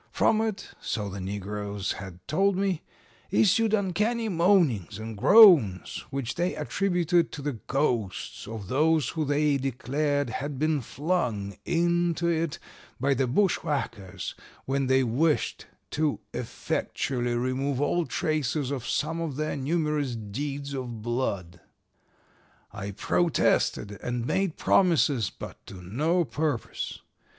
From it, so the negroes had told me, issued uncanny moanings and groans which they attributed to the ghosts of those who they declared had been flung into it by the bushwhackers when they wished to effectually remove all traces of some of their numerous deeds of blood. "I protested and made promises, but to no purpose.